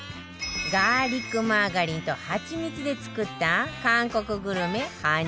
ガーリックマーガリンとハチミツで作った韓国グルメハニーチキン